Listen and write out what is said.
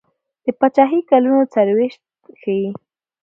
د پاچهي کلونه څلیرویشت ښيي.